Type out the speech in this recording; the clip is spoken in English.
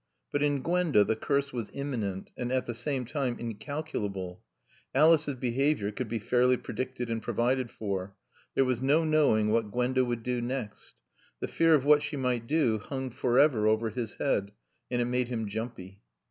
But in Gwenda the curse was imminent and at the same time incalculable. Alice's behavior could be fairly predicted and provided for. There was no knowing what Gwenda would do next. The fear of what she might do hung forever over his head, and it made him jumpy.